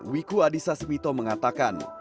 wiku adhisa semito mengatakan